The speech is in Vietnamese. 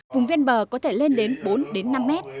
vùng viên bờ có thể lên đến bốn đến năm mét